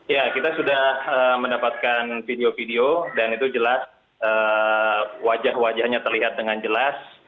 ya kita sudah mendapatkan video video dan itu jelas wajah wajahnya terlihat dengan jelas